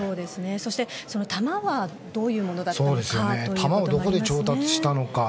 そして、弾はどういうものだったのかという弾をどこで調達したのか。